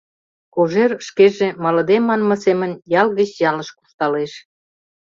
Кожер шкеже малыде манме семын ял гыч ялыш куржталеш.